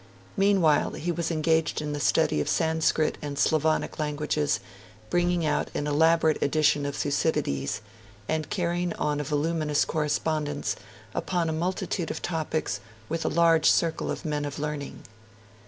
Meanwhile, he was engaged in the study of the Sanskrit and Slavonic languages, bringing out an elaborate edition of Thucydides, and carrying on a voluminous correspondence upon a multitude of topics with a large circle of men of learning.